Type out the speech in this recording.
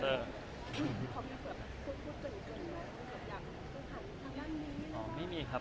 เขาจะไปออกรางกาย